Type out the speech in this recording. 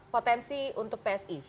potensi untuk psi